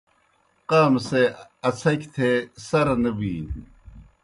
قام سے اڅَھکیْ تھے سرہ نہ بِینیْ۔